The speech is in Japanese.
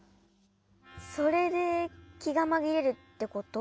それできがまぎれるってこと？